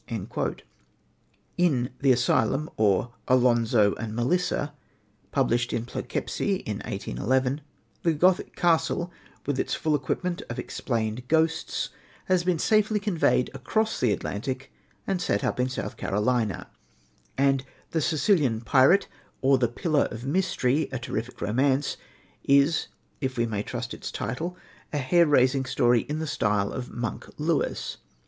" In The Asylum, or Alonzo and Melissa, published in Ploughkeepsie in 1811, the Gothic castle, with its full equipment of "explained ghosts," has been safely conveyed across the Atlantic and set up in South Carolina; and The Sicilian Pirate or the Pillar of Mystery: a Terrific Romance, is, if we may trust its title, a hair raising story, in the style of "Monk" Lewis.